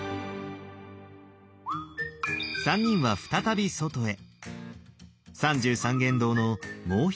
３人は再び外へ。